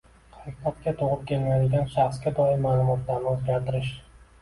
Haqiqatga to‘g‘ri kelmaydigan shaxsga doir ma’lumotlarni o‘zgartirish